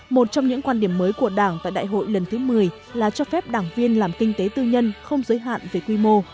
một trong những quan điểm mới của đảng tại đại hội lần thứ một mươi là cho phép đảng viên làm kinh tế tư nhân không giới hạn về quy mô